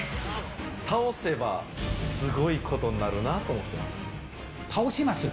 倒せば、すごいことになるな倒します。